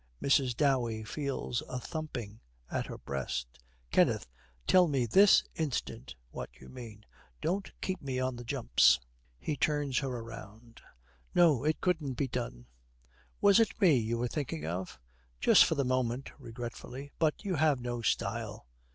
Mrs. Dowey feels a thumping at her breast. 'Kenneth, tell me this instant what you mean. Don't keep me on the jumps.' He turns her round. 'No, It couldn't be done.' 'Was it me you were thinking of?' 'Just for the moment,' regretfully, 'but you have no style.'